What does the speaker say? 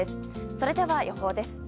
それでは予報です。